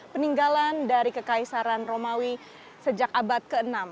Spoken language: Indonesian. peninggalan dari kekaisaran romawi sejak abad ke enam